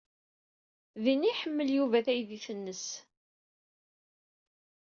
Din ay yemḍel Yuba taydit-nnes.